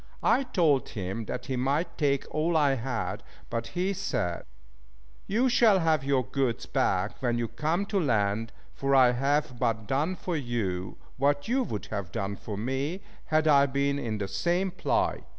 I told him that he might take all I had, but he said "You shall have your goods back when we come to land, for I have but done for you what you would have done for me, had I been in the same plight."